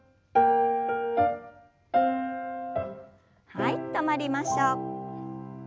はい止まりましょう。